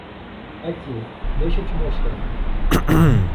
Aqui, deixa eu te mostrar.